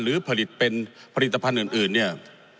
หรือผลิตเป็นผลิตภัณฑ์อื่นเนี่ย